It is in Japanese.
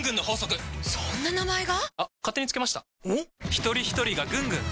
ひとりひとりがぐんぐん！